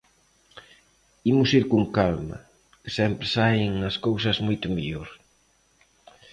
Imos ir con calma, que sempre saen as cousas moito mellor.